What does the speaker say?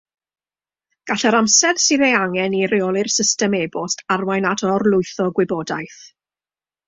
Gall yr amser sydd ei angen i reoli'r system e-bost arwain at orlwytho gwybodaeth.